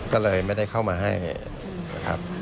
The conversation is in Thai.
ก็เลยไม่ได้เข้ามาให้นะครับ